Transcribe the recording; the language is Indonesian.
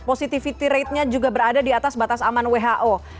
positivity ratenya juga berada di atas batas aman who